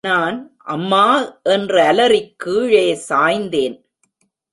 நான் அம்மா என்றலறிக் கீழேசாய்ந்தேன்.